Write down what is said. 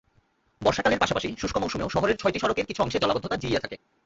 বর্ষাকালের পাশাপাশি শুষ্ক মৌসুমেও শহরের ছয়টি সড়কের কিছু অংশে জলাবদ্ধতা জিইয়ে থাকে।